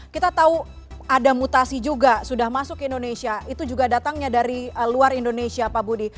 kita tahu ada mutasi juga sudah masuk ke indonesia itu juga datangnya dari luar indonesia pak budi